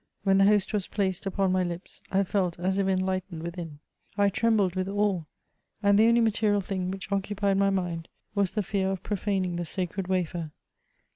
When the Host was placed upon my lips, I felt as if enlightened within. I trem bled with awe, and the only material thing which occupied my mind, was the fear of profaning the sacred wafer.